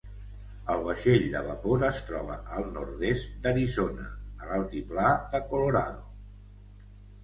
El vaixell de vapor es troba al nord-est d'Arizona a l'altiplà de Colorado.